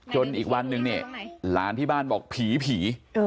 จนอีกวันนึงร้านที่บ้านบอกหญิงผี